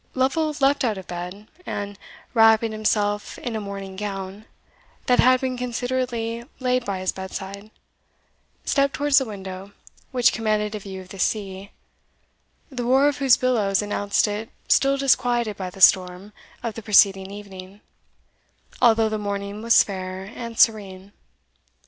Lovel leapt out of bed, and, wrapping himself in a morning gown, that had been considerately laid by his bedside, stepped towards the window, which commanded a view of the sea, the roar of whose billows announced it still disquieted by the storm of the preceding evening, although the morning was fair and serene.